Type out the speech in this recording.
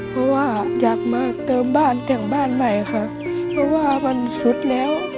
เพราะว่าอยากมาเติมบ้านแต่งบ้านใหม่ค่ะเพราะว่ามันสุดแล้ว